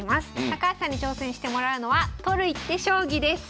高橋さんに挑戦してもらうのは取る一手将棋です！